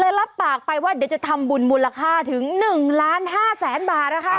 เลยรับปากไปว่าเดี๋ยวจะทำบุญมูลค่าถึง๑๕๐๐๐๐๐บาทนะคะ